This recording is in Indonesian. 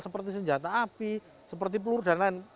seperti senjata api seperti peluru dan lain